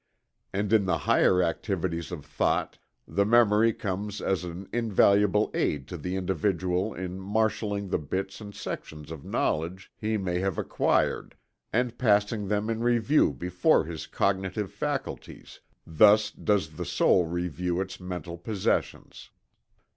And in the higher activities of thought, the memory comes as an invaluable aid to the individual in marshalling the bits and sections of knowledge he may have acquired, and passing them in review before his cognitive faculties thus does the soul review its mental possessions.